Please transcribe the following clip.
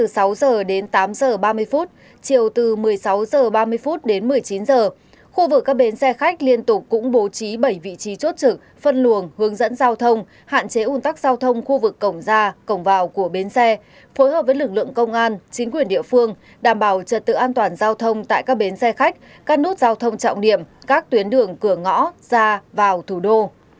xe khách liên tục cũng bố trí bảy vị trí chốt trực phân luồng hướng dẫn giao thông hạn chế un tắc giao thông khu vực cổng ra cổng vào của bến xe phối hợp với lực lượng công an chính quyền địa phương đảm bảo trật tự an toàn giao thông tại các bến xe khách căn nút giao thông trọng niệm các tuyến đường cửa ngõ ra vào thủ đô